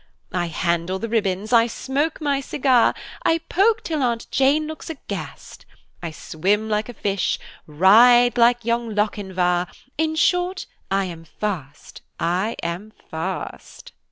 "I handle the ribbons! I smoke my cigar! I polk till Aunt Jane looks aghast. I swim like a fish! ride like young Lochinvar! In short, I am fast! I am fast!"